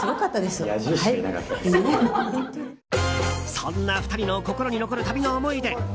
そんな２人の心に残る旅の思い出。